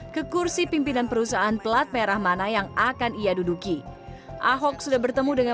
ke kursi pimpinan perusahaan pelat merah mana yang akan ia duduki ahok sudah bertemu dengan